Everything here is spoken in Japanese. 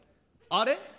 あれ？